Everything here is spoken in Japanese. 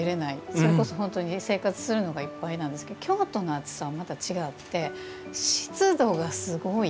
それこそ本当に生活するのがいっぱいなんですけれども京都の暑さはまた違って湿度がすごい。